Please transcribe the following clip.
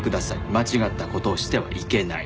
間違ったことをしてはいけない」。